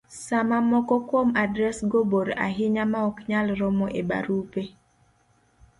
Sama moko kuom adresgo bor ahinya maok nyal romo e barupe